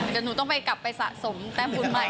เดี๋ยวหนูต้องไปกลับไปสะสมแต้มบุญใหม่